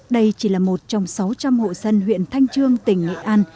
đây chỉ là một trong sáu trăm linh hộ dân huyện thanh trương tỉnh nghệ an